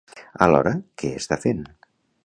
Alhora, què està fent?